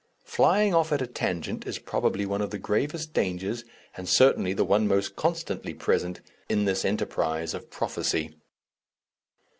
Flying off at a tangent is probably one of the gravest dangers and certainly the one most constantly present, in this enterprise of prophecy.